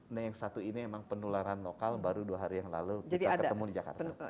nah yang satu ini emang penularan lokal baru dua hari yang lalu kita ketemu di jakarta